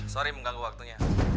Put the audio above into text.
maaf mengganggu waktunya